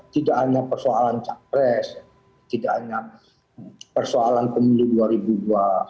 tidak hanya persoalan cak pres tidak hanya persoalan komunitas dua ribu dua puluh empat